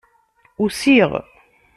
Usiɣ.